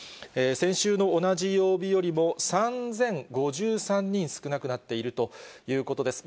先週の同じ曜日よりも、３０５３人少なくなっているということです。